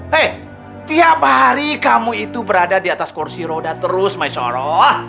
hei tiap hari kamu itu berada di atas kursi roda terus masyaro